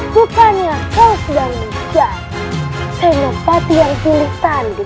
bukannya kau sedang menjadi senopati yang pilih tanding